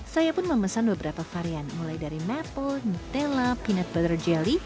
saya pun memesan beberapa varian mulai dari maple nintella pinat butter jelly